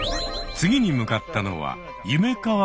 次に向かったのはうわ！